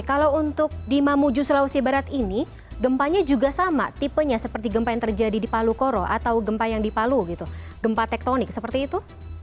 kalau untuk di mamuju sulawesi barat ini gempanya juga sama tipenya seperti gempa yang terjadi di palu koro atau gempa yang di palu gitu gempa tektonik seperti itu